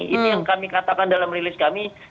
ini yang kami katakan dalam rilis kami